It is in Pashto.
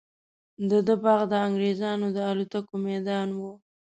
د ده باغ د انګریزانو د الوتکو میدان وو.